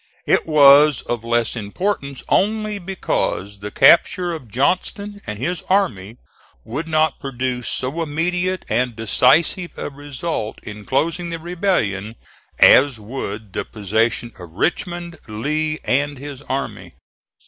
It was of less importance only because the capture of Johnston and his army would not produce so immediate and decisive a result in closing the rebellion as would the possession of Richmond, Lee and his army.